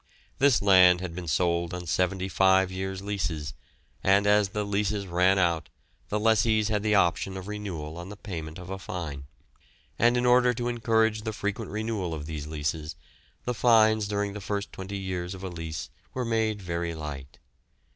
This land had been sold on seventy five years' leases, and as the leases ran out the lessees had the option of renewal on the payment of a fine; and in order to encourage the frequent renewal of these leases the fines during the first twenty years of a lease were made very light.